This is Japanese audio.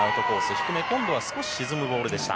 低め今度は少し沈む球でした。